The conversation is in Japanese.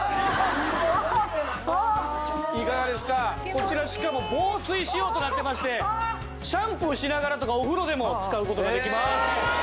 こちらしかも防水仕様となってましてシャンプーしながらとかお風呂でも使う事ができます。